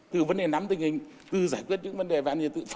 hơn một nửa tỉnh bắc cạn